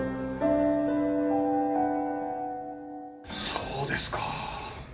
そうですか。